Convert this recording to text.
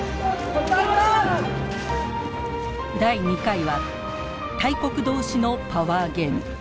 第２回は大国同士のパワーゲーム。